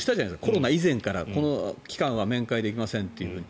コロナ以前からこの期間は面会できませんというふうに。